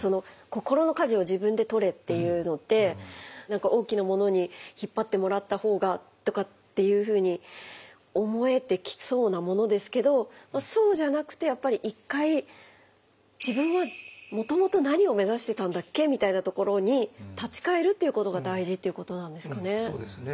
「心の舵を自分でとれ」っていうのって何か大きなものに引っ張ってもらった方がとかっていうふうに思えてきそうなものですけどそうじゃなくてやっぱり一回自分はもともと何を目指してたんだっけみたいなところに立ち返るっていうことが大事っていうことなんですかね。